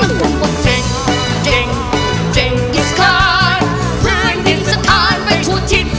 ลำบุกบดเจ๋งเจ๋งเจ๋งดิสการเพื่อนดินสถานไปทั่วทิศ